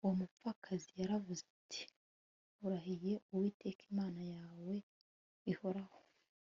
uwo mupfakazi yaravuze ati Nkurahiye Uwiteka Imana yawe ihoraho